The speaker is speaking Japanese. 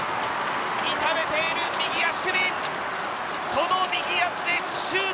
痛めている右足首、その右足でシュート！